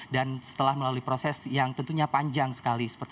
dan setelah melalui proses yang tersebut